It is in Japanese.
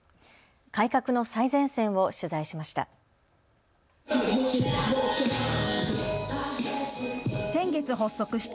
改革の最前線を取材しました。